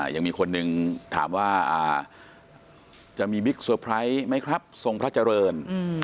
ยังมีคนหนึ่งถามว่าจะมีบิ๊กเซอร์ไพรส์ไหมครับทรงพระเจริญ